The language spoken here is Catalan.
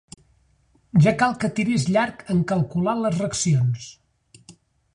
Ja cal que tiris llarg en calcular les racions.